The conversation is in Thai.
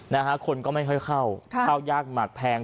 นะฮะคนก็ไม่ค่อยเข้าเข้ายากหมักแพง